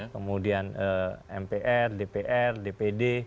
kemudian mpr dpr dpd